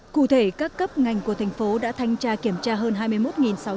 cụ thể các cấp ngành của thành phố đã thanh tra kiểm tra hơn hai mươi một